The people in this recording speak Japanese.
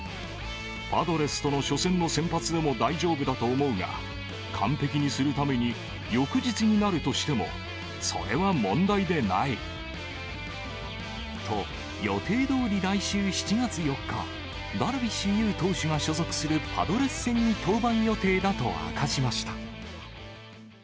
パドレスとの初戦の先発でも大丈夫だと思うが、完璧にするために、翌日になるとしても、と、予定どおり来週７月４日、ダルビッシュ有投手が所属するパドレス戦に登板予定だと明かしました。